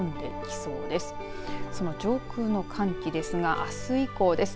その上空の寒気ですがあす以降です。